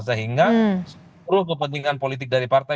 sehingga seluruh kepentingan politik dari partai